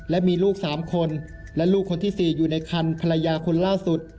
และมีลูก๓คนและลูกคนที่๔อยู่ในคันภรรยาคนล่าสุด